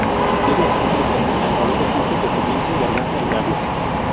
Debe su nombre común al color rojizo de su vientre, garganta y labios.